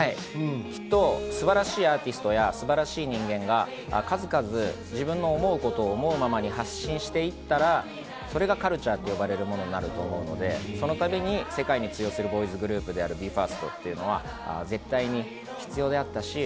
きっと素晴らしいアーティストや人間が数々、自分の思うことを思うがままに発信していったら、それがカルチャーと呼ばれるようになると思うんで、そのたびに世界に通用するボーイズグループ・ＢＥ：ＦＩＲＳＴは絶対に必要だったし。